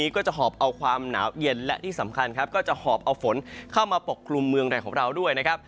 ก็จะหอบเอาฝนเข้ามาปกครุมเมืองแหล่งของเราด้วยนะครับ